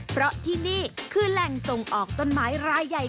เพราะที่นี่คือแหล่งส่งออกต้นไม้รายใหญ่